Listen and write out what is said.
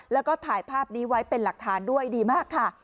แล้วก็ถ่ายภาพนี้ไว้เป็นหลักฐานด้วยดีมากค่ะ